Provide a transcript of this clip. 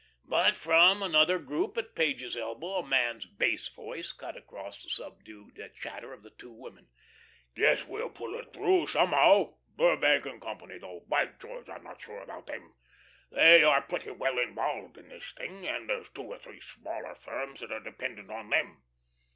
But, from another group at Page's elbow, a man's bass voice cut across the subdued chatter of the two women. "'Guess we'll pull through, somehow. Burbank & Co., though by George! I'm not sure about them. They are pretty well involved in this thing, and there's two or three smaller firms that are dependent on them.